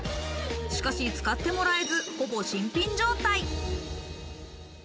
しかし、使ってもらえず、ほぼ新品状態。